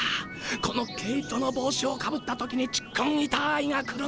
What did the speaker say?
この毛糸の帽子をかぶった時にちっくんいたーいが来るのだな？